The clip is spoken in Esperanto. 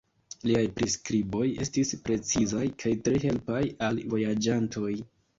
Liaj priskriboj estis precizaj kaj tre helpaj al vojaĝantoj.